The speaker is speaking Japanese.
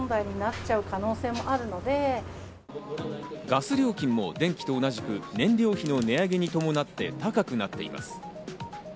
ガス料金も電気と同じく燃料費の値上げに伴って、高くなっています。